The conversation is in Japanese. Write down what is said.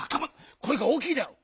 こえが大きいであろう！